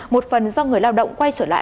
một phần do người lao động quay trở lại